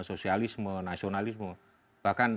sosialisme nasionalisme bahkan